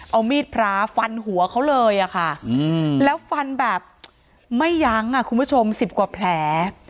เอามีดพระฟันหัวเขาเลยค่ะแล้วฟันแบบไม่ยั้งคุณผู้ชม๑๐กว่าแผล